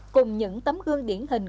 cùng những tấm gương điển hình